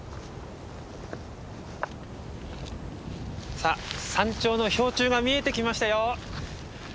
さあ山頂の標柱が見えてきましたよ。